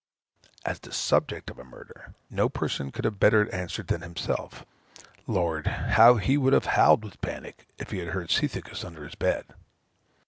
As the subject of a murder, no person could have answered better than himself. Lord! how he would have howled with panic, if he had heard Cethegus under his bed.